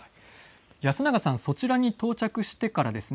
安永さんそちらに到着してからですね